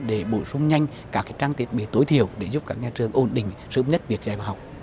để sử dụng nhanh các trang thiết bị tối thiểu để giúp các nhà trường ổn định sớm nhất việc dạy học